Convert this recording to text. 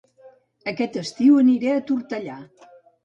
Aquest estiu aniré a Tortellà